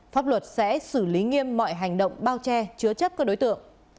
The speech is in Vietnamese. pháp luật sẽ xử lý nghiêm mọi hành động bao che chứa chấp các đối tượng